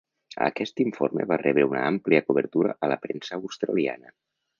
Aquest informe va rebre una àmplia cobertura a la premsa australiana.